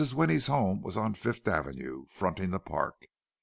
Winnie's home was on Fifth Avenue, fronting the park.